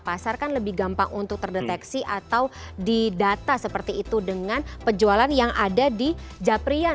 pasar kan lebih gampang untuk terdeteksi atau didata seperti itu dengan penjualan yang ada di japrian